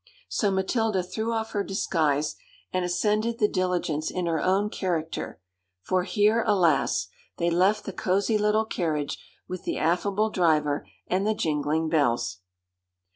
So Matilda threw off her disguise, and ascended the diligence in her own character, for here, alas! they left the cozy little carriage with the affable driver and the jingling bells.